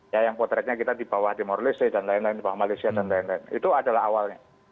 ya yang potretnya kita di bawah demor leste dan lain lain di bawah malaysia dan lain lain itu adalah awalnya